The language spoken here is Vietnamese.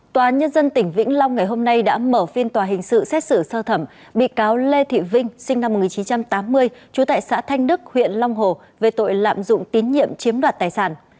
tòa nhân dân tỉnh vĩnh long ngày hôm nay đã mở phiên tòa hình sự xét xử sơ thẩm bị cáo lê thị vinh sinh năm một nghìn chín trăm tám mươi chú tại xã thanh đức huyện long hồ về tội lạm dụng tín nhiệm chiếm đoạt tài sản